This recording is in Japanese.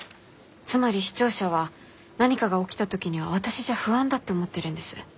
つまり視聴者は何かが起きた時には私じゃ不安だって思ってるんです。